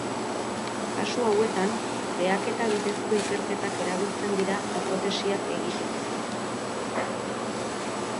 Kasu hauetan, behaketa bidezko ikerketak erabiltzen dira hipotesiak egiteko.